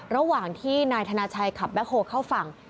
ระหว่างที่นายธนาชัยขับแบ็คโฮลเข้าฝั่ง